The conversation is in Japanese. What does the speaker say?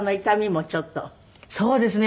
そうですね。